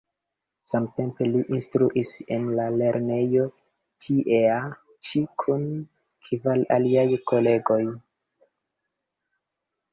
Samtempe li instruis en la lernejo tiea ĉi kun kvar aliaj kolegoj.